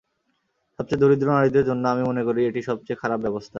সবচেয়ে দরিদ্র নারীদের জন্য আমি মনে করি এটি সবচেয়ে খারাপ ব্যবস্থা।